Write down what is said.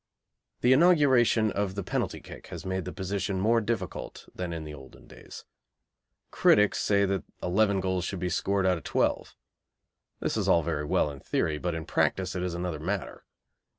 The inauguration of the penalty kick has made the position more difficult than in the olden days. Critics say that eleven goals should be scored out of twelve. This is all very well in theory, but in practice it is another matter.